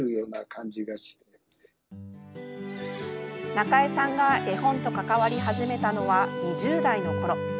なかえさんが絵本と関わり始めたのは２０代のころ。